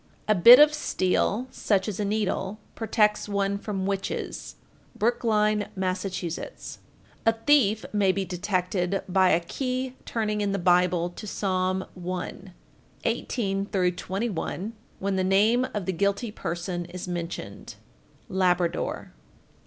_ 1417. A bit of steel, such as a needle, protects one from witches. Brookline, Mass. 1418. A thief may be detected by a key turning in the Bible to Psalm i. 18 21, when the name of the guilty person is mentioned. _Labrador.